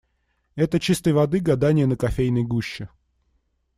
Это - чистой воды гадание на кофейной гуще.